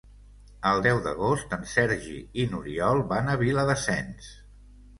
El deu d'agost en Sergi i n'Oriol van a Viladasens.